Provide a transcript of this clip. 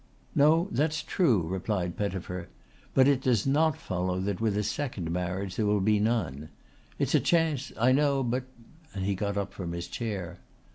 "No, that's true," replied Pettifer. "But it does not follow that with a second marriage there will be none. It's a chance, I know, but " and he got up from his chair.